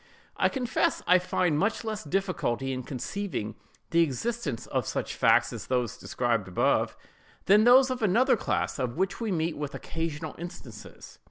I confess I find much less difficulty in conceiving the existence of such facts as those above described, than those of another class, of which we meet with occasional instances.